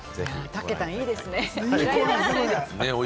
たけたん、いいですね。